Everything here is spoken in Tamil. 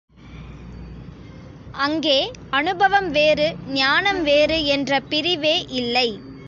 அங்கே அநுபவம் வேறு, ஞானம் வேறு என்ற பிரிவே இல்லை.